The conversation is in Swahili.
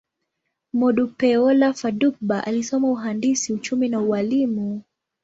Modupeola Fadugba alisoma uhandisi, uchumi, na ualimu.